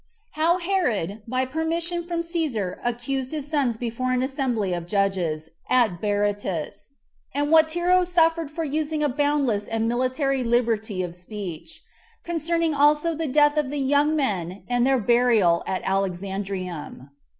How Herod, By Permission From Cæsar Accused His Sons Before An Assembly Of Judges At Berytus; And What Tero Suffered For Using A Boundless And Military Liberty Of Speech. Concerning Also The Death Of The Young Men And Their Burial At Alexandrium.